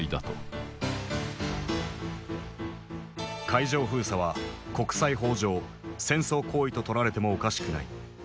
海上封鎖は国際法上戦争行為と取られてもおかしくない。